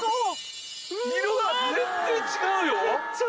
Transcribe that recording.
色が全然違うよ！